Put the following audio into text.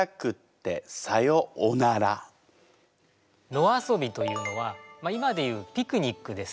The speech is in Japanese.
「野遊び」というのは今で言うピクニックですとか